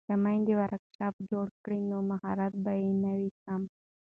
که میندې ورکشاپ جوړ کړي نو مهارت به نه وي کم.